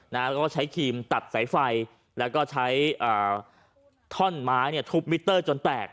แล้วก็ใช้ครีมตัดสายไฟแล้วก็ใช้ท่อนไม้เนี่ยทุบมิเตอร์จนแตก